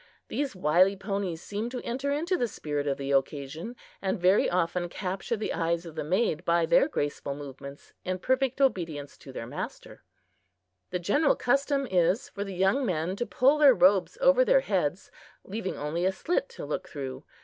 These wily ponies seem to enter into the spirit of the occasion, and very often capture the eyes of the maid by their graceful movements, in perfect obedience to their master. The general custom is for the young men to pull their robes over their heads, leaving only a slit to look through.